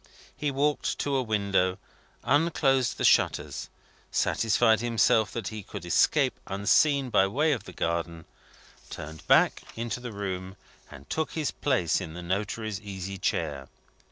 He walked to a window, unclosed the shutters, satisfied himself that he could escape unseen by way of the garden, turned back into the room, and took his place in the notary's easy chair.